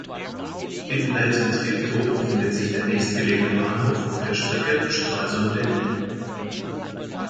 In Altentreptow befindet sich der nächstgelegene Bahnhof auf der Strecke Stralsund-Berlin.